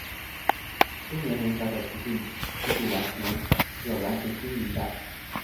梳棉棉条的直径并不是完全均匀的。